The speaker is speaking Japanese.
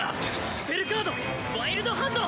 スペルカードワイルドハント！